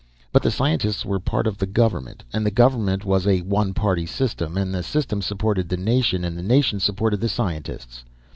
_ But the scientists were a part of the government, and the government was a one party system, and the system supported the nation and the nation supported the scientists.